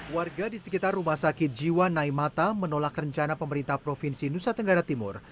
warga di sekitar rumah sakit jiwa naimata menolak rencana pemerintah provinsi nusa tenggara timur